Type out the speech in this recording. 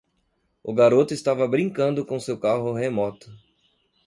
O garoto estava brincando com seu carro remoto.